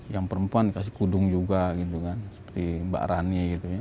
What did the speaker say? yang perempuan dikasih kudung juga seperti mbak rani